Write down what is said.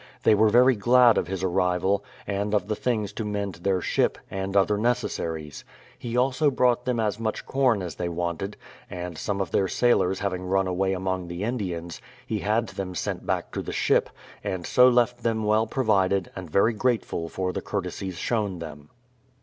They were very glad of his arrival, and of the things to mend their ship, and other necessaries. He also brought them as much corn as they wanted ; and some of their sailors having run away among the Indians, he had them sent back to the ship, and so left them well provided and very grateful for the courtesies shown them.